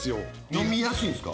飲みやすいんすか？